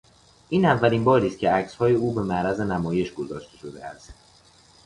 این اولینباری است که عکسهای او به معرض نمایش گذاشته شده است.